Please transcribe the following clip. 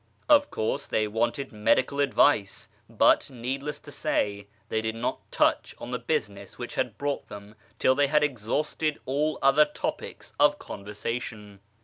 Of course they wanted medical advice ; but, needless to say, they did not touch on the business which had brought them till they had exhausted all other topics of conversation.